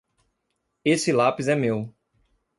Esse lápis é meu.